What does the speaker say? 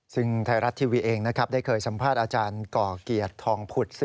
ซึ่งไทยรัฐทีวีเองนะครับได้เคยสัมภาษณ์อาจารย์ก่อเกียรติทองผุด